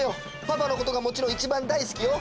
パパのことがもちろんいちばん大好きよ。